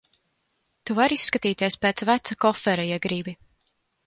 Tu vari izskatīties pēc veca kofera, ja gribi.